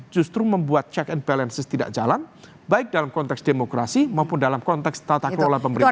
justru membuat check and balances tidak jalan baik dalam konteks demokrasi maupun dalam konteks tata kelola pemerintahan